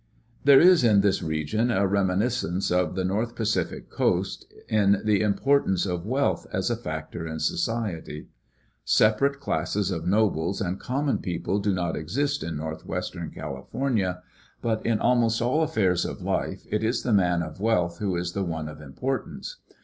There is in this region a reminiscence of the North Pacific coast in the importance of wealth as a factor in society. Sepa rate classes of nobles and common people do not exist in north 88 University of California Publications. [AM. ARCH. ETH. western California, but in almost all affairs of life it is the man of wealth who is the one of importance.